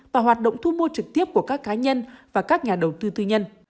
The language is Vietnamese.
và hoạt động thu mua trực tiếp của các cá nhân và các nhà đầu tư tư nhân